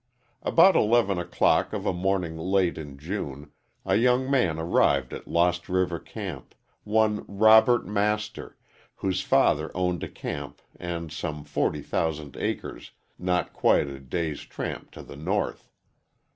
About eleven o'clock of a morning late in June, a young man arrived at Lost River camp one Robert Master, whose father owned a camp and some forty thousand acres not quite a day's tramp to the north.